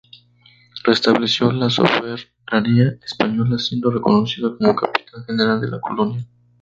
Restableció la soberanía española, siendo reconocido como Capitán General de la colonia.